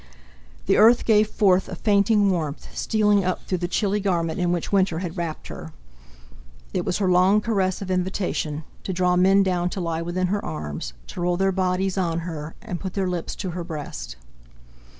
The earth gave forth a fainting warmth, stealing up through the chilly garment in which winter had wrapped her. It was her long caress of invitation, to draw men down to lie within her arms, to roll their bodies on her, and put their lips to her breast.